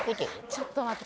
ちょっと待って。